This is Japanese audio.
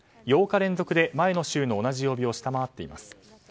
８日連続で前の週の同じ曜日を下回っています。